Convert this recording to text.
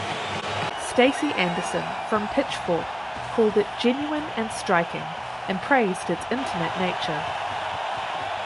Stacy Anderson from "Pitchfork" called it "genuine and striking" and praised its intimate nature.